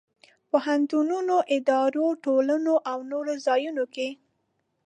پوهنتونونو، ادارو، ټولنو او نور ځایونو کې.